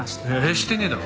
してねえだろ。